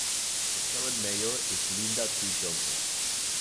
The current mayor is Linda T. Johnson.